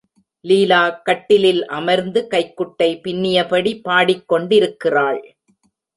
லீலா கட்டிலில் அமர்ந்து கைக்குட்டை பின்னியபடி பாடிக் கொண்டிருக்கிருள்.